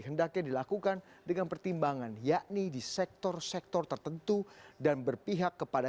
hendaknya dilakukan dengan pertimbangan yakni di sektor sektor tertentu dan berpihak kepada